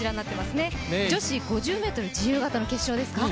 女子５０ｍ自由形の決勝ですか。